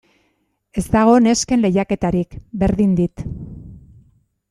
Ez dago nesken lehiaketarik, berdin dit.